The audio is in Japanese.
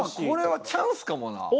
これはチャンスかもな。